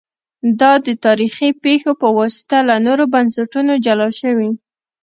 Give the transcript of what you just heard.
دا د تاریخي پېښو په واسطه له نورو بنسټونو جلا شوي